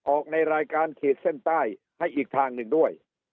ออกในรายการขีดเส้นใต้ให้อีกทางหนึ่งด้วย